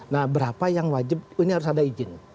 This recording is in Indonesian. nah berapa yang wajib ini harus ada izin